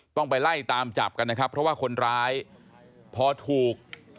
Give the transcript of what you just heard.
ต้องไปไล่ตามจับกันนะครับเพราะว่าคนร้ายพอถูก